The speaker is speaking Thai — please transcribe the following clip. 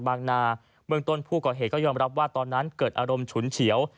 นาเมืองต้นผู้ก่อเหตุก็ยอมรับว่าตอนนั้นเกิดอารมณ์ฉุนเฉียว